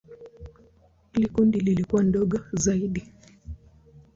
Hili kundi lilikuwa dogo zaidi.